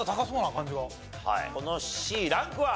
このＣランクは？